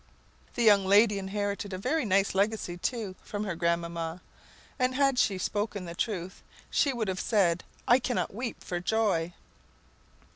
The young lady inherited a very nice legacy, too, from her grandmamma; and, had she spoken the truth, she would have said, "I cannot weep for joy."